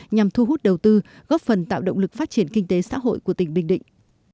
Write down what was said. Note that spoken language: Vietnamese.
nhằm thu hút đầu tư góp phần tạo động lực phát triển kinh tế xã hội của tỉnh bình định